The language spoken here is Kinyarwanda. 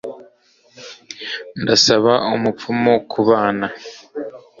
ndasaba umupfumu kubana